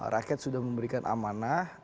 rakyat sudah memberikan amanah